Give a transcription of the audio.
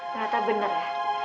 ternyata bener ya